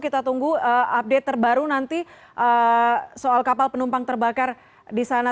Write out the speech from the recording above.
kita tunggu update terbaru nanti soal kapal penumpang terbakar di sana